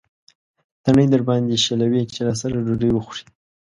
تڼۍ درباندې شلوي چې راسره ډوډۍ وخورې.